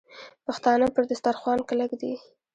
پښتانه پر دسترخوان کلک دي.